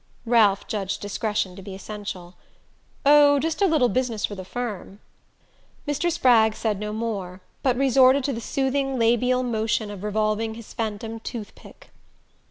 Ralph judged discretion to be essential. "Oh, just a little business for the firm." Mr. Spragg said no more, but resorted to the soothing labial motion of revolving his phantom toothpick.